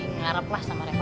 ngarap lah sama reva